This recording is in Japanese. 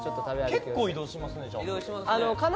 結構移動しますねじゃあ。